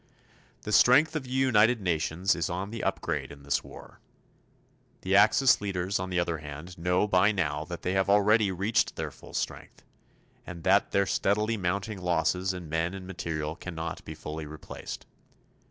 The strength of the United Nations is on the upgrade in this war. The Axis leaders, on the other hand, know by now that they have already reached their full strength, and that their steadily mounting losses in men and material cannot be fully replaced.